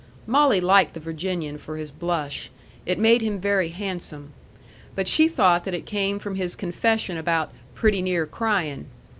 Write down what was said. Molly liked the Virginian for his blush. It made him very handsome. But she thought that it came from his confession about "pretty near crying."